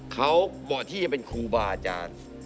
เขาเหมาะที่จะเป็นครูบาอาจารย์